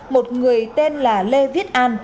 một người tên là lê viết an